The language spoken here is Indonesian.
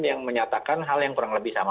yang menyatakan hal yang kurang lebih sama